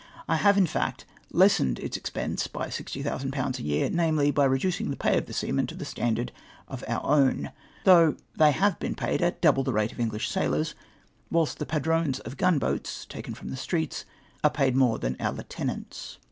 I have, in fact, lessened its expense by 60,000/. a year, merely by reducing the pay of the seamen to the standard of our own, though they have been paid at double the rate of English sailors, whilst the padrones of gunboats, taken from the streets, are jjaid more titan our lieutenants.